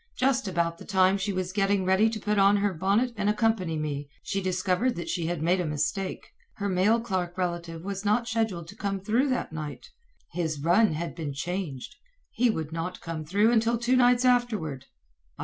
Just about the time she was getting ready to put on her bonnet and accompany me, she discovered that she had made a mistake. Her mail clerk relative was not scheduled to come through that night. His run had been changed. He would not come through until two nights afterward.